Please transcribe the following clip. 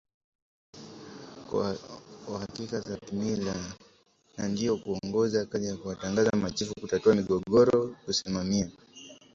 wa haki za kimila na ndio huongoza kazi ya kuwatawaza Machifu kutatua migogoro kusimamia